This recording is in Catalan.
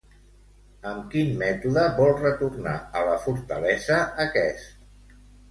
Amb quin mètode vol retornar a la fortalesa aquest?